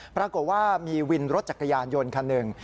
ปรากฏว่ามีวินรถจักรยานยนต์คันหนึ่ง